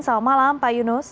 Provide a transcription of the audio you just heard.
selamat malam pak yunus